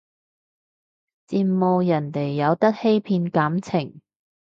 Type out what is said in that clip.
羨慕人哋有得欺騙感情